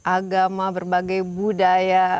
agama berbagai budaya